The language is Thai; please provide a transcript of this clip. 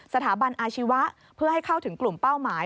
สถาบันอาชีวะเพื่อให้เข้าถึงกลุ่มเป้าหมาย